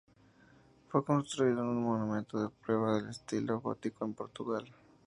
Fue construido en un momento de prueba del estilo gótico en Portugal.